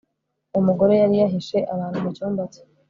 uwo mugore yari yahishe abantu mu cyumba cye